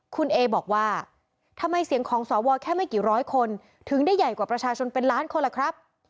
คุณเอบอกว่าทำไมเสียงของสวแค่ไม่กี่ร้อยคนถึงได้ใหญ่กว่าประชาชนเป็นล้านคนล่ะครับ